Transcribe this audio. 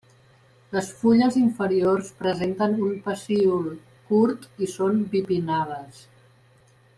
Les fulles inferiors presenten un pecíol curt i són bipinnades.